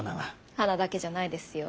鼻だけじゃないですよ